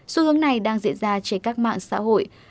xu hướng này đang diễn ra trên các mạng xã hội